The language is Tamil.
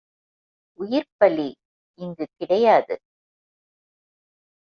உயிர்ப் பலி இங்குக் கிடையாது.